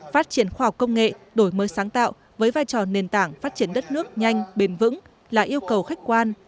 phát triển khoa học công nghệ đổi mới sáng tạo với vai trò nền tảng phát triển đất nước nhanh bền vững là yêu cầu khách quan